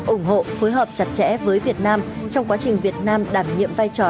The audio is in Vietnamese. ủng hộ phối hợp chặt chẽ với việt nam trong quá trình việt nam đảm nhiệm vai trò